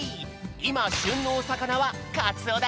いましゅんのおさかなはかつおだよ！